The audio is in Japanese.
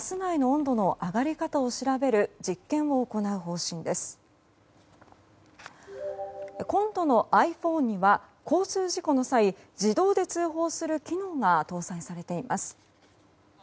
今度のｉＰｈｏｎｅには交通事故の際自動で通報する機能が搭載されています。